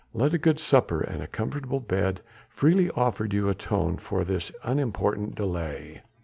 Let a good supper and a comfortable bed freely offered you atone for this unimportant delay.